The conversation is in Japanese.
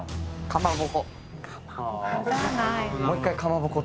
かまぼこ。